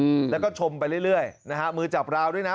อืมแล้วก็ชมไปเรื่อยเรื่อยนะฮะมือจับราวด้วยนะ